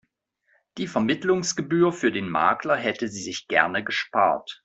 Die Vermittlungsgebühr für den Makler hätte sie sich gerne gespart.